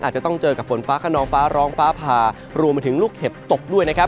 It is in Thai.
อาจจะต้องเจอกับฝนฟ้าขนองฟ้าร้องฟ้าผ่ารวมไปถึงลูกเห็บตกด้วยนะครับ